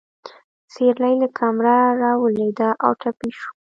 سېرلی له کمره راولوېده او ټپي شو.